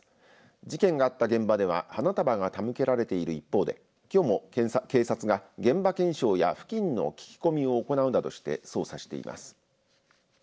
事件があった現場では花束が手向けられている一方できょうも警察が現場検証や付近の聞き込みを行うなどして捜査しています。